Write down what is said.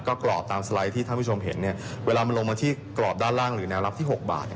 ก็กรอบตามสไลด์ที่ท่านผู้ชมเห็นเนี่ยเวลามันลงมาที่กรอบด้านล่างหรือแนวรับที่๖บาท